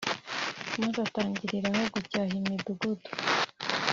Maze atangiriraho gucyaha imidugudu